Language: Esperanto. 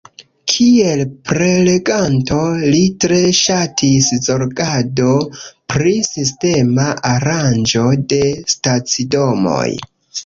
Kiel preleganto li tre ŝatis zorgado pri sistema aranĝo de stacidomoj.